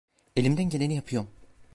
Elimden geleni yapıyorum.